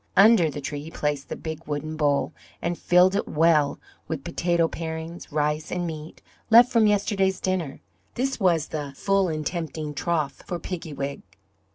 Under the tree he placed the big wooden bowl, and filled it well with potato parings, rice, and meat, left from yesterday's dinner; this was the "full and tempting trough" for Piggywig.